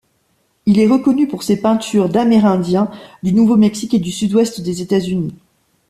Il est reconnu pour ses peintures d'Amérindiens, du Nouveau-Mexique et du Sud-Ouest des États-Unis.